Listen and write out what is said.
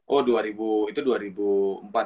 oh itu dua ribu empat ya